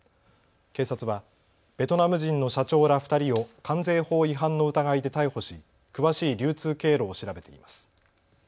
警察はベトナム人の社長ら２人を関税法違反の疑いで逮捕し詳しい流通経路を調べています。